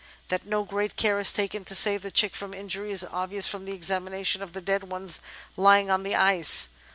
That no great care is taken to save the chick from injury is obvious from an examination of the dead ones lying on the ice.